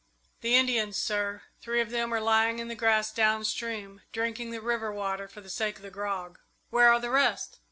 "The Indians, sir. Three of them are lying in the grass downstream, drinking the river water for the sake of the grog." "Where are the rest?"